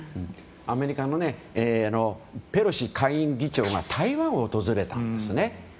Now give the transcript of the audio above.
アメリカのペロシ下院議長が台湾を訪れたんですね。